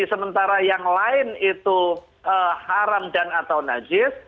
sementara yang lain itu haram dan atau najis